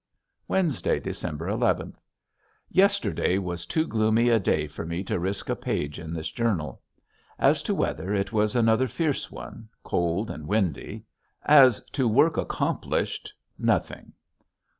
Wednesday, December eleventh. Yesterday was too gloomy a day for me to risk a page in this journal. As to weather it was another fierce one, cold and windy. As to work accomplished nothing.